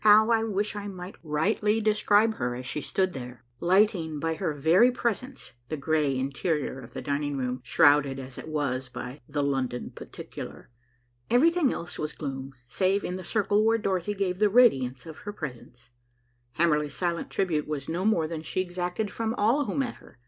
How I wish I might rightly describe her as she stood there, lighting by her very presence the gray interior of the dining room, shrouded as it was by the "London particular." Everything else was gloom, save in the circle where Dorothy gave the radiance of her presence. Hamerly's silent tribute was no more than she exacted from all who met her.